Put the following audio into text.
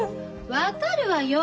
分かるわよ。